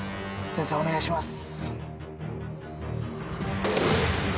先生お願いします。